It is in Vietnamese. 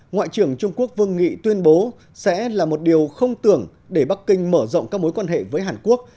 ngoại trưởng trung quốc vương nghị tuyên bố sẽ là một điều không tưởng để bắc kinh mở rộng các mối quan hệ với hàn quốc